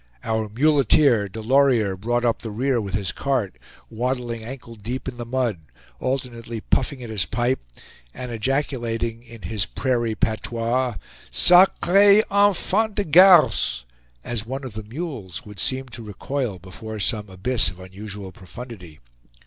Our muleteer, Delorier, brought up the rear with his cart, waddling ankle deep in the mud, alternately puffing at his pipe, and ejaculating in his prairie patois: "Sacre enfant de garce!" as one of the mules would seem to recoil before some abyss of unusual profundity.